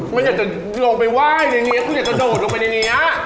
ไม่อยากจะลงไปไหว้ในนี้คุณอยากจะโดดลงไปในนี้